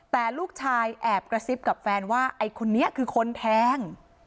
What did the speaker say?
แต่ลูกชายแอบกระซิบกับแฟนว่าไอ้คนนี้คือคนแทง